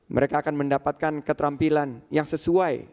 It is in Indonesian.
mereka akan mendapatkan keterampilan yang sesuai